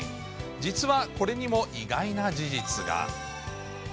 実はこれにも意外な事実が。